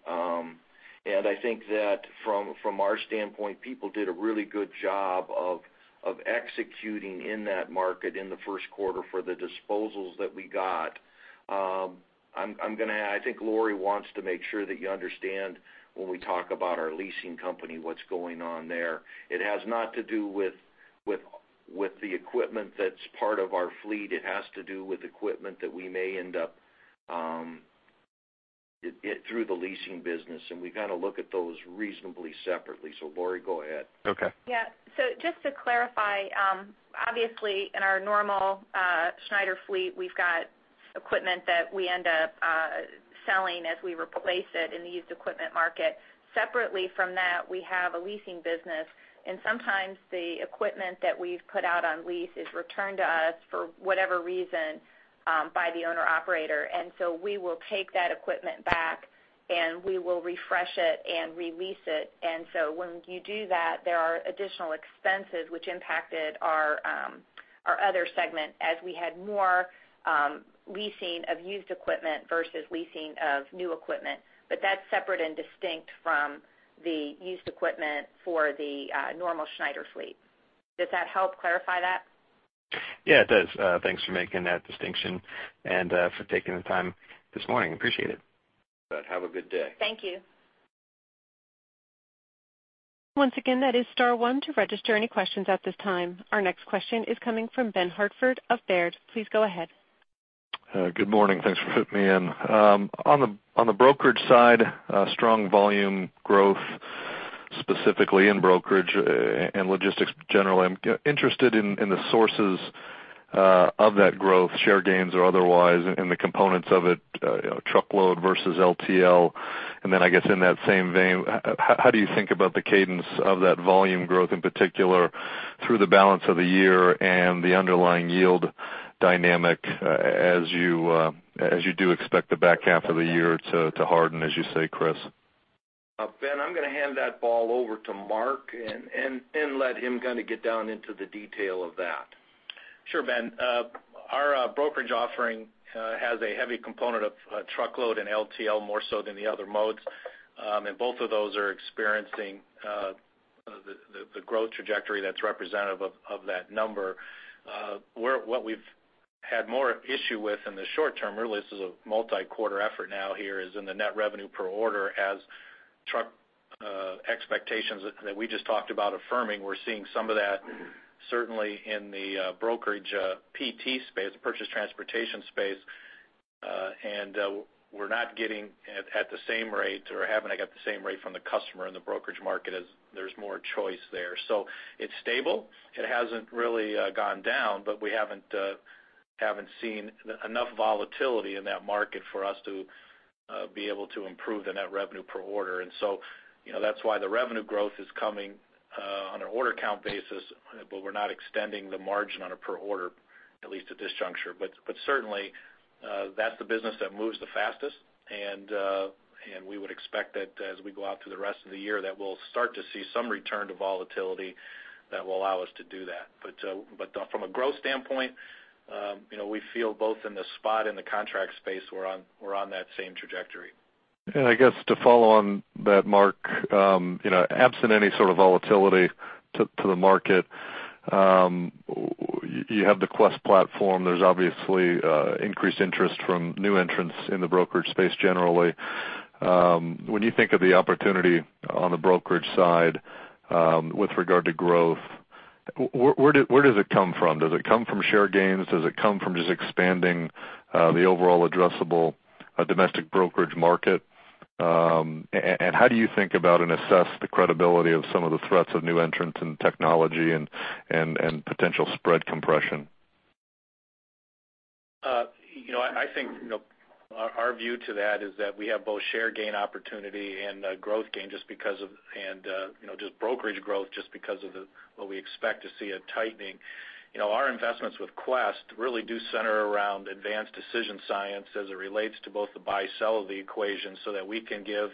S3: And I think that from our standpoint, people did a really good job of executing in that market in the first quarter for the disposals that we got. I'm going to, I think Lori wants to make sure that you understand when we talk about our leasing company what's going on there. It has nothing to do with the equipment that's part of our fleet. It has to do with equipment that we may end up through the leasing business. And we kind of look at those reasonably separately. Lori, go ahead.
S5: Okay. Yeah. So just to clarify, obviously, in our normal Schneider fleet, we've got equipment that we end up selling as we replace it in the used equipment market. Separately from that, we have a leasing business. And sometimes the equipment that we've put out on lease is returned to us for whatever reason by the owner-operator. And so we will take that equipment back, and we will refresh it and release it. And so when you do that, there are additional expenses which impacted our other segment as we had more leasing of used equipment versus leasing of new equipment. But that's separate and distinct from the used equipment for the normal Schneider fleet. Does that help clarify that?
S12: Yeah. It does. Thanks for making that distinction and for taking the time this morning. Appreciate it. Good. Have a good day.
S5: Thank you.
S1: Once again, that is star one to register any questions at this time. Our next question is coming from Ben Hartford of Baird. Please go ahead.
S13: Good morning. Thanks for putting me in. On the brokerage side, strong volume growth specifically in brokerage and logistics generally. I'm interested in the sources of that growth, share gains or otherwise, and the components of it, truckload versus LTL. And then I guess in that same vein, how do you think about the cadence of that volume growth in particular through the balance of the year and the underlying yield dynamic as you do expect the back half of the year to harden, as you say, Chris?
S3: Ben, I'm going to hand that ball over to Mark and let him kind of get down into the detail of that.
S4: Sure, Ben. Our brokerage offering has a heavy component of truckload and LTL more so than the other modes. And both of those are experiencing the growth trajectory that's representative of that number. What we've had more issue with in the short term really, this is a multi-quarter effort now here, is in the net revenue per order as truck expectations that we just talked about affirming. We're seeing some of that certainly in the brokerage PT space, the purchased transportation space. And we're not getting at the same rate or haven't got the same rate from the customer in the brokerage market as there's more choice there. So it's stable. It hasn't really gone down, but we haven't seen enough volatility in that market for us to be able to improve the net revenue per order. And so that's why the revenue growth is coming on an order count basis, but we're not extending the margin on a per order, at least at this juncture. But certainly, that's the business that moves the fastest. And we would expect that as we go out through the rest of the year, that we'll start to see some return to volatility that will allow us to do that. But from a growth standpoint, we feel both in the spot and the contract space, we're on that same trajectory.
S13: I guess to follow on that, Mark, absent any sort of volatility to the market, you have the Quest platform. There's obviously increased interest from new entrants in the brokerage space generally. When you think of the opportunity on the brokerage side with regard to growth, where does it come from? Does it come from share gains? Does it come from just expanding the overall addressable domestic brokerage market? And how do you think about and assess the credibility of some of the threats of new entrants and technology and potential spread compression?
S4: I think our view to that is that we have both share gain opportunity and growth gain just because of and just brokerage growth just because of what we expect to see a tightening. Our investments with Quest really do center around advanced decision science as it relates to both the buy-sell of the equation so that we can give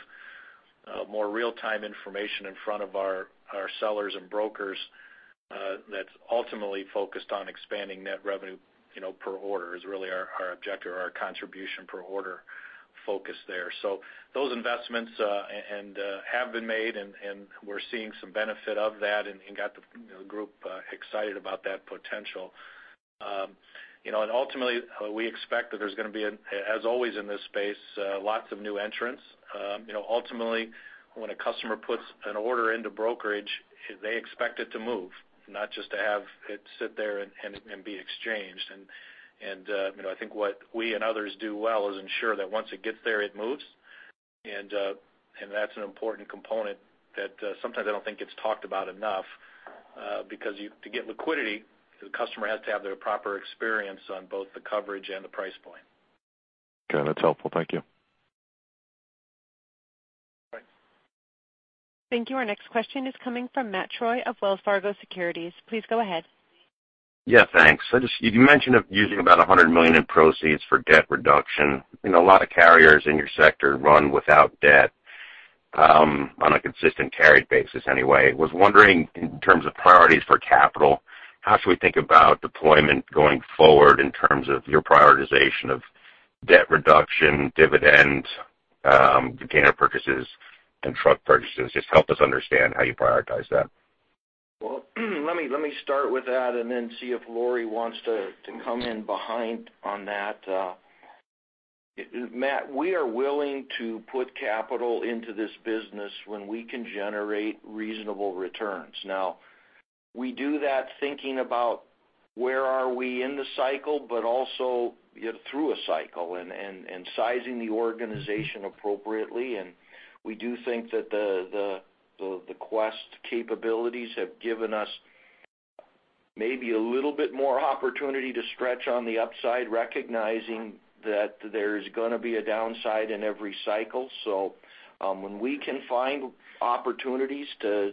S4: more real-time information in front of our sellers and brokers that's ultimately focused on expanding net revenue per order is really our objective or our contribution per order focus there. So those investments have been made, and we're seeing some benefit of that and got the group excited about that potential. And ultimately, we expect that there's going to be, as always in this space, lots of new entrants. Ultimately, when a customer puts an order into brokerage, they expect it to move, not just to have it sit there and be exchanged. I think what we and others do well is ensure that once it gets there, it moves. That's an important component that sometimes I don't think gets talked about enough because to get liquidity, the customer has to have the proper experience on both the coverage and the price point.
S13: Got it. That's helpful. Thank you.
S1: Thank you. Our next question is coming from Matt Troy of Wells Fargo Securities. Please go ahead.
S14: Yeah. Thanks. You mentioned using about $100 million in proceeds for debt reduction. A lot of carriers in your sector run without debt on a consistent carried basis anyway. I was wondering in terms of priorities for capital, how should we think about deployment going forward in terms of your prioritization of debt reduction, dividend, container purchases, and truck purchases? Just help us understand how you prioritize that.
S3: Well, let me start with that and then see if Lori wants to come in behind on that. Matt, we are willing to put capital into this business when we can generate reasonable returns. Now, we do that thinking about where are we in the cycle, but also through a cycle and sizing the organization appropriately. And we do think that the Quest capabilities have given us maybe a little bit more opportunity to stretch on the upside recognizing that there is going to be a downside in every cycle. So when we can find opportunities to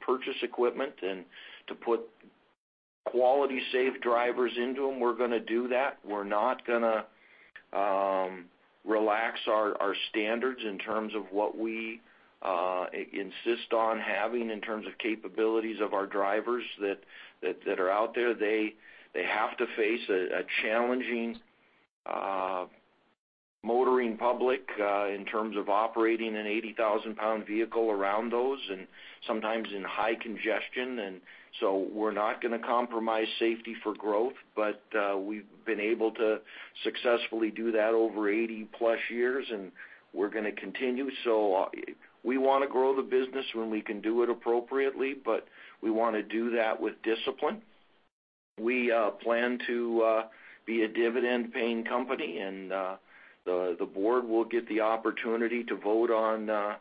S3: purchase equipment and to put quality-safe drivers into them, we're going to do that. We're not going to relax our standards in terms of what we insist on having in terms of capabilities of our drivers that are out there. They have to face a challenging motoring public in terms of operating an 80,000-pound vehicle around those and sometimes in high congestion. So we're not going to compromise safety for growth, but we've been able to successfully do that over 80+ years, and we're going to continue. We want to grow the business when we can do it appropriately, but we want to do that with discipline. We plan to be a dividend-paying company, and the board will get the opportunity to vote on a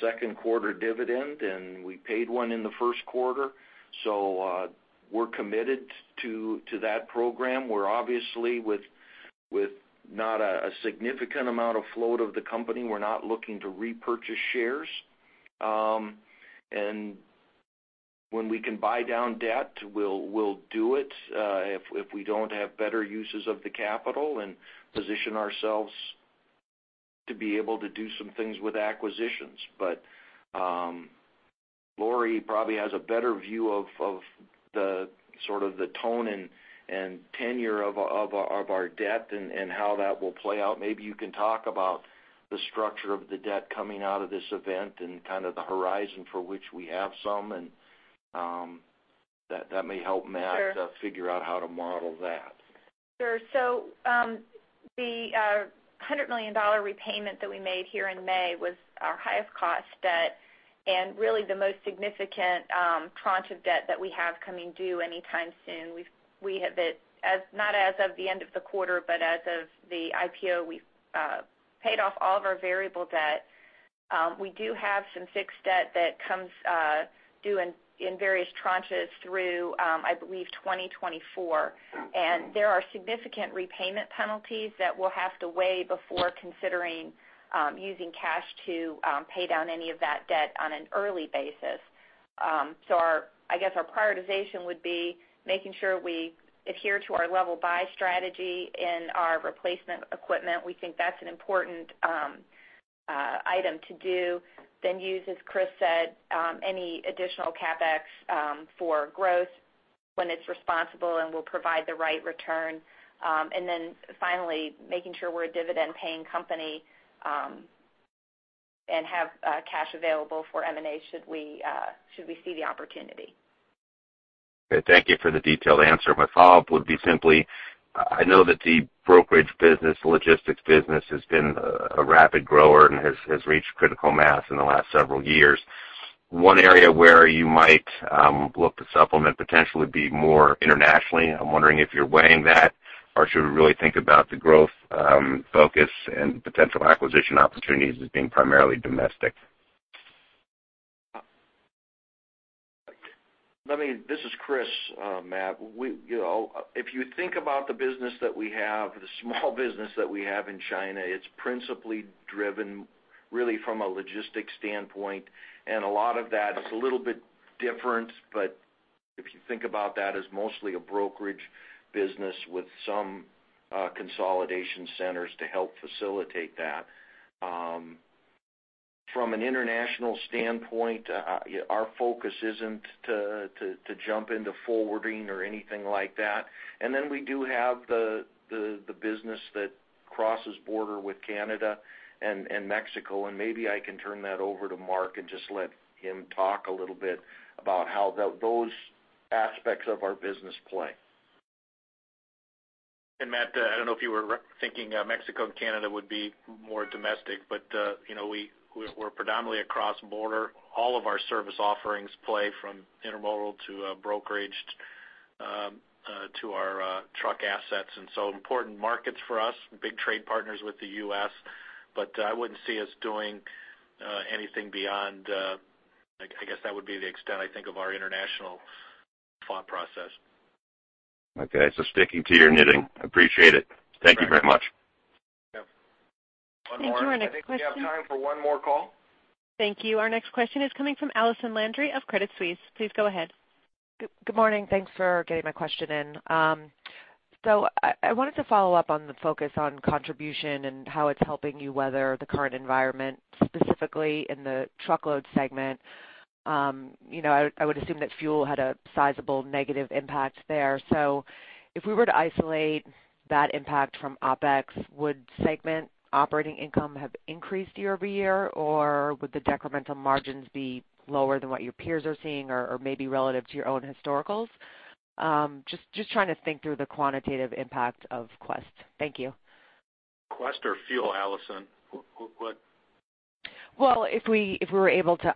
S3: second-quarter dividend. We paid one in the first quarter. We're committed to that program. We're obviously with not a significant amount of float of the company. We're not looking to repurchase shares. And when we can buy down debt, we'll do it if we don't have better uses of the capital and position ourselves to be able to do some things with acquisitions. But Lori probably has a better view of sort of the term and tenor of our debt and how that will play out. Maybe you can talk about the structure of the debt coming out of this event and kind of the horizon for which we have some. And that may help Matt figure out how to model that.
S5: Sure. So the $100 million repayment that we made here in May was our highest-cost debt and really the most significant tranche of debt that we have coming due anytime soon. Not as of the end of the quarter, but as of the IPO, we've paid off all of our variable debt. We do have some fixed debt that comes due in various tranches through, I believe, 2024. And there are significant repayment penalties that we'll have to weigh before considering using cash to pay down any of that debt on an early basis. So I guess our prioritization would be making sure we adhere to our level buy strategy in our replacement equipment. We think that's an important item to do. Then use, as Chris said, any additional CapEx for growth when it's responsible and will provide the right return. And then finally, making sure we're a dividend-paying company and have cash available for M&A should we see the opportunity.
S14: Okay. Thank you for the detailed answer. My follow-up would be simply, I know that the brokerage business, logistics business, has been a rapid grower and has reached critical mass in the last several years. One area where you might look to supplement, potentially, would be more internationally. I'm wondering if you're weighing that or should we really think about the growth focus and potential acquisition opportunities as being primarily domestic?
S3: This is Chris, Matt. If you think about the business that we have, the small business that we have in China, it's principally driven really from a logistics standpoint. A lot of that, it's a little bit different, but if you think about that as mostly a brokerage business with some consolidation centers to help facilitate that. From an international standpoint, our focus isn't to jump into forwarding or anything like that. Then we do have the business that crosses the border with Canada and Mexico. Maybe I can turn that over to Mark and just let him talk a little bit about how those aspects of our business play. Matt, I don't know if you were thinking Mexico and Canada would be more domestic, but we're predominantly cross-border. All of our service offerings play from intermodal to brokerage to our truck assets. And so important markets for us, big trade partners with the U.S. But I wouldn't see us doing anything beyond. I guess that would be the extent, I think, of our international thought process.
S14: Okay. So sticking to your knitting. Appreciate it. Thank you very much.
S3: Yeah. One more.
S1: Thank you. Our next question.
S3: I think we have time for one more call.
S1: Thank you. Our next question is coming from Allison Landry of Credit Suisse. Please go ahead.
S15: Good morning. Thanks for getting my question in. So I wanted to follow up on the focus on contribution and how it's helping you weather the current environment specifically in the truckload segment. I would assume that fuel had a sizable negative impact there. So if we were to isolate that impact from OPEX, would segment operating income have increased year-over-year, or would the decremental margins be lower than what your peers are seeing or maybe relative to your own historicals? Just trying to think through the quantitative impact of Quest. Thank you.
S4: Quest or Fuel, Allison? What?
S15: Well, if we were able to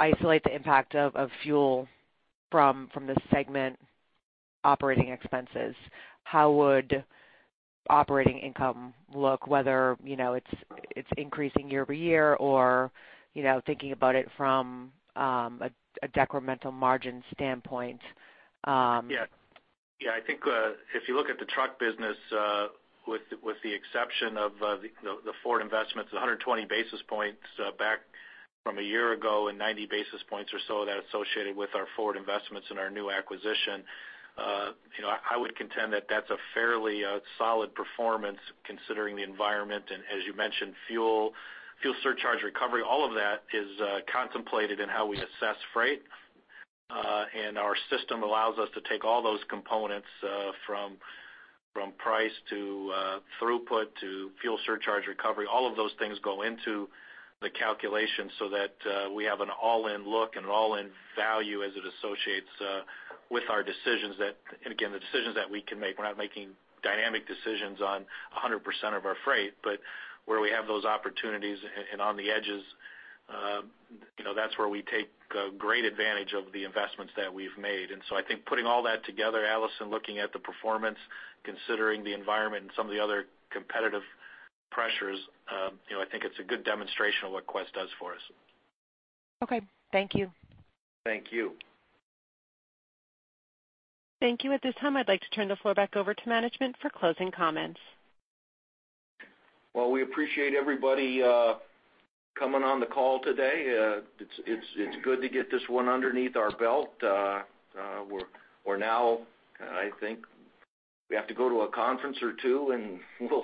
S15: isolate the impact of fuel from the segment operating expenses, how would operating income look, whether it's increasing year-over-year or thinking about it from a decremental margin standpoint?
S4: Yeah. Yeah. I think if you look at the truck business, with the exception of the Ford investments, 120 basis points back from a year ago and 90 basis points or so that associated with our Ford investments and our new acquisition, I would contend that that's a fairly solid performance considering the environment. And as you mentioned, fuel surcharge recovery, all of that is contemplated in how we assess freight. And our system allows us to take all those components from price throughput to fuel surcharge recovery. All of those things go into the calculation so that we have an all-in look and an all-in value as it associates with our decisions that, again, the decisions that we can make. We're not making dynamic decisions on 100% of our freight, but where we have those opportunities and on the edges, that's where we take great advantage of the investments that we've made. I think putting all that together, Allison, looking at the performance, considering the environment, and some of the other competitive pressures, I think it's a good demonstration of what Quest does for us.
S15: Okay. Thank you.
S3: Thank you.
S1: Thank you. At this time, I'd like to turn the floor back over to management for closing comments.
S3: Well, we appreciate everybody coming on the call today. It's good to get this one underneath our belt. We're now, I think we have to go to a conference or two, and we'll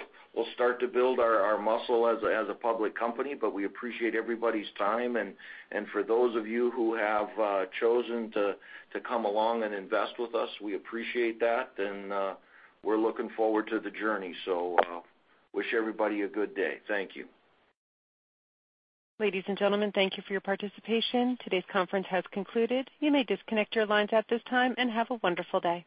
S3: start to build our muscle as a public company. But we appreciate everybody's time. And for those of you who have chosen to come along and invest with us, we appreciate that. And we're looking forward to the journey. So wish everybody a good day. Thank you.
S1: Ladies and gentlemen, thank you for your participation. Today's conference has concluded. You may disconnect your lines at this time and have a wonderful day.